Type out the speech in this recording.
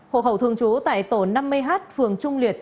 hộ khẩu thường trú tại tổ năm mươi h phường trung liệt